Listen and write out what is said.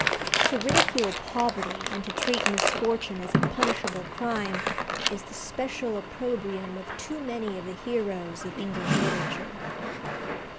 To ridicule poverty, and to treat misfortune as a punishable crime, is the special opprobrium of too many of the heroes of English literature.